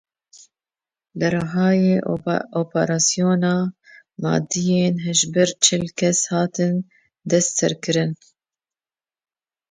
Li Rihayê operasyona madeyên hişbir çil kes hatin desteserkirin.